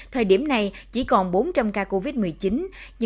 thời điểm này chỉ còn bốn trăm linh ca covid một mươi chín